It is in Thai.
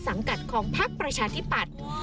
สังกัดของพักประชาธิปัตย์